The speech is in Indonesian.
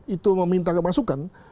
itu meminta kemasukan